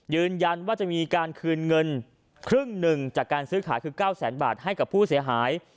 ยืนยันว่าจะมีการคืนเงินครึ่งหนึ่งจากการซื้อขายคือ๙แสนบาทให้กับผู้เสียหาย